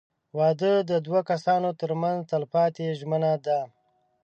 • واده د دوه کسانو تر منځ تلپاتې ژمنه ده.